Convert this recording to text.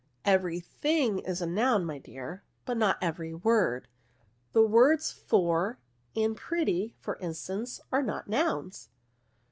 " Every thing is a noun, my dear ; but not every word. The words for and pretty y for instance, are not nouns."